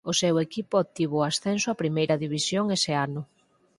O seu equipo obtivo o ascenso a Primeira División ese ano.